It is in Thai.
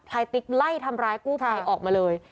พลายติ๊กไล่ทำร้ายกู้พลายออกมาเลย